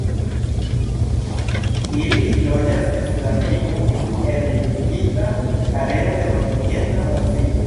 Ili loĝas en Sudameriko en limigita areo de nordorienta Brazilo.